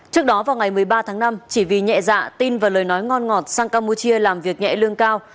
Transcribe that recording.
trước đó vào ngày một mươi ba tháng năm chỉ vì nhẹ dạ tin và lời nói ngon ngọt sang campuchia làm việc nhẹ lương cao